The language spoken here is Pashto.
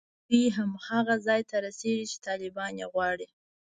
دوی هماغه ځای ته رسېږي چې طالبان یې غواړي